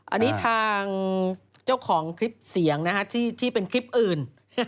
อันนี้ทางเจ้าของคลิปเสียงนะฮะที่เป็นคลิปอื่น